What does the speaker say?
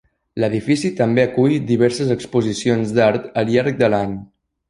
L'edifici també acull diverses exposicions d'art al llarg de l'any.